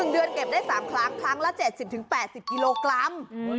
๑เดือนเก็บได้๓ครั้งครั้งละ๗๐๘๐กิโลกรัม